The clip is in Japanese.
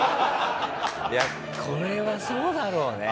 いやこれはそうだろうね。